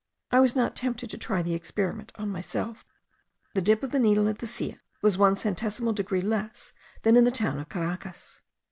I was not tempted to try the experiment on myself. The dip of the needle at the Silla was one centesimal degree less than in the town of Caracas.